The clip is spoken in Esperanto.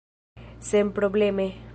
senprobleme